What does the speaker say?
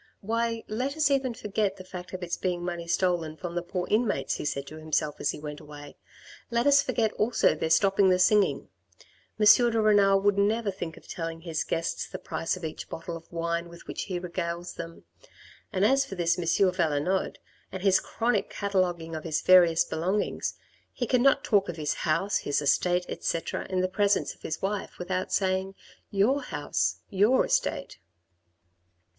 Why let us even forget the fact of its being money stolen from the poor inmates, he said to himself as he went away, let us forget also their stopping the singing. M. de Renal would never think of telling his guests the price of each bottle of wine with which he regales them, and as for this M. Valenod, and his chronic cataloguing of his various belongings, he cannot talk of his house, his estate, etc., in the presence of his wife without saying, " Your house, your estate."